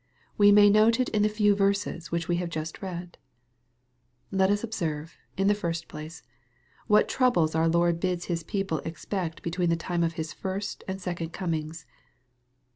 We may note it in the few verses which we have just read. Let us observe, in the first place, ivhat troubles our Lord bids His people expect between the time of Sis first and second comings.